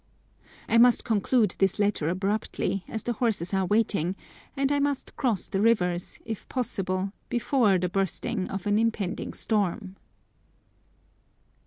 I must conclude this letter abruptly, as the horses are waiting, and I must cross the rivers, if possible, before the bursting of an impending storm.